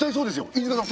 飯塚さん